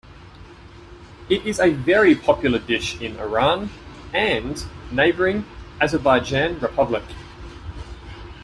It is a very popular dish in Iran and neighboring Azerbaijan Republic.